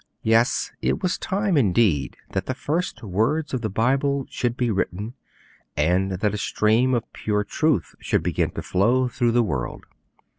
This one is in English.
Yes; it was time, indeed, that the first words of the Bible should be written, and that a stream of pure truth should begin to flow through the world.